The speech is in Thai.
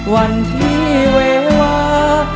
วันที่เวงวา